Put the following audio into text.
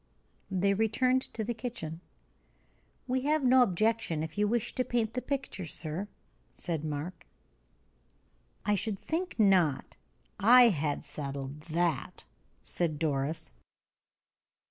They returned to the kitchen. "We have no objection, if you wish to make the picture, sir," said Mark. "I should think not. I had settled that," said Doris.